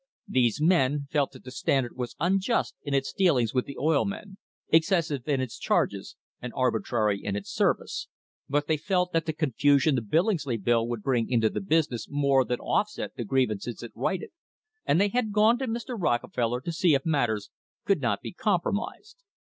These men felt that the Standard was unjust in its dealings with the oil men, excessive in its charges, and arbitrary in its service, but they felt that the confusion the Billingsley Bill would bring into the business more than off set the grievances it righted, and they had gone to Mr. Rockefeller to see if matters could not be compromised.